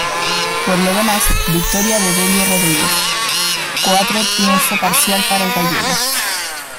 Por lo demás, victoria de Delio Rodríguez, cuatro triunfo parcial para el gallego.